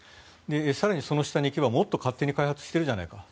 更に、その下に行けばもっと勝手に開発しているじゃないかと。